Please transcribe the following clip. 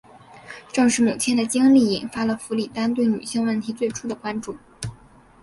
正是母亲的经历引发了弗里丹对女性问题最初的关注。